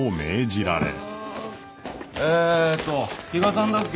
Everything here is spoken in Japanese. えっと比嘉さんだっけ？